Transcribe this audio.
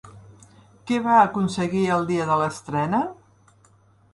Què va aconseguir el dia de l'estrena?